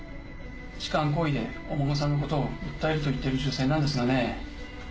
痴漢行為でお孫さんのことを訴えると言っている女性なんですがね。